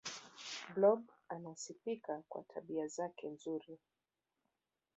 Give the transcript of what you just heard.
blob anasifika kwa tabia zake nzuri